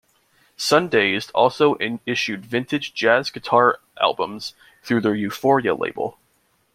Sundazed also issued vintage jazz guitar albums through their Euphoria label.